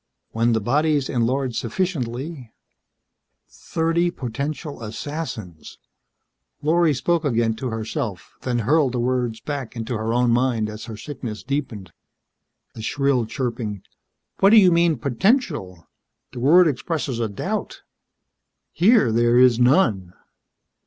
When the bodies enlarge sufficiently ..." "Thirty potential assassins...." Lorry spoke again to herself, then hurled the words back into her own mind as her sickness deepened. The shrill chirping: "What do you mean, potential? The word expresses a doubt. Here there is none."